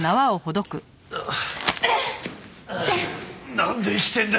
なんで生きてんだ？